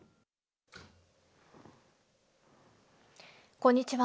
こんにちは。